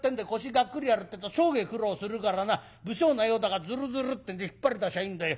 ガックリやるってえと生涯苦労するからな不精のようだがズルズルってんで引っ張り出しゃいいんだよ。